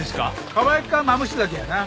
蒲焼きかマムシ酒やな。